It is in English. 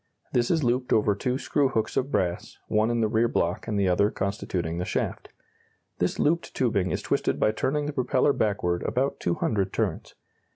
This is looped over two screw hooks of brass, one in the rear block and the other constituting the shaft. This looped tubing is twisted by turning the propeller backward about two hundred turns.